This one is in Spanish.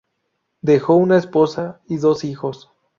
Dejó una esposa y dos hijos.